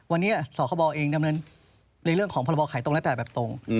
วันนี้สคบเองดำเนิน